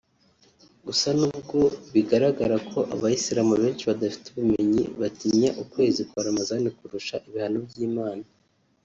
Gusa n’ubwo bigaragara ko abayisilamu benshi badafite ubumenyi batinya ukwezi kwa Ramazani kurusha ibihano by’Imana